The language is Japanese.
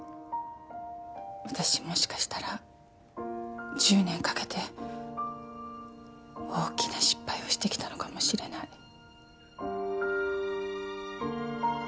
私もしかしたら１０年かけて大きな失敗をしてきたのかもしれない。